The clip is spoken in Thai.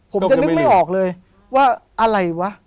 ผมจะนึกไม่ออกเลยว่าอะไรวะ